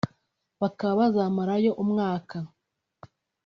bakaba bazamara yo umwaka